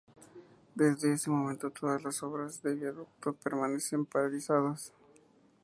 Desde ese momento, todas las obras del viaducto permanecen paralizadas.